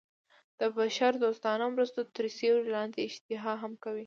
د بشر دوستانه مرستو تر سیورې لاندې اشتهار هم کوي.